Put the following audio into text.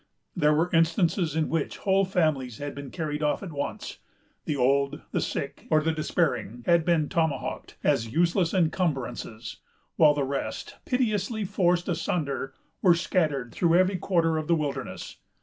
There were instances in which whole families had been carried off at once. The old, the sick, or the despairing, had been tomahawked, as useless encumbrances; while the rest, pitilessly forced asunder, were scattered through every quarter of the wilderness.